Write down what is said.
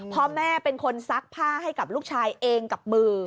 พ่อแม่เป็นคนซักผ้าให้กับลูกชายเองกับมือ